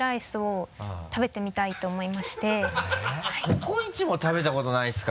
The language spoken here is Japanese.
「ココイチ」も食べたことないですか？